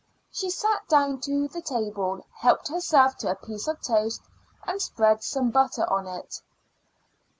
She sat down to the table, helped herself to a piece of toast, and spread some butter on it.